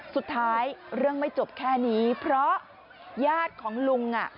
เรื่องไม่จบแค่นี้เพราะญาติของลุงอ่ะ